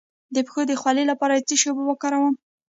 د پښو د خولې لپاره د څه شي اوبه وکاروم؟